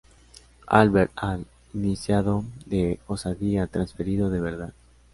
Albert ""Al"", iniciado de Osadía transferido de Verdad.